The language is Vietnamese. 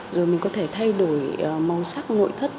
rồi mình có thể thay đổi màu sắc nội thất